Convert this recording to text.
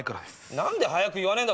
何で早く言わねえんだ！